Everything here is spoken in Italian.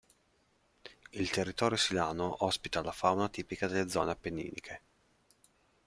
Il territorio silano ospita la fauna tipica delle zone appenniniche.